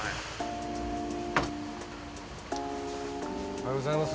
おはようございます。